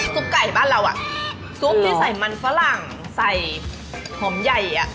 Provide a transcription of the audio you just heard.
ซุปไก่บ้านเราซุปที่ใส่มันฝรั่งใส่หอมใหญ่